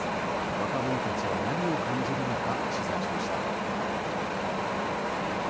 若者たちは何を感じるのか、取材しました。